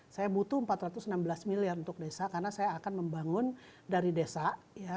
saya butuh empat ratus enam belas miliar untuk desa karena saya akan membangun dari desa ya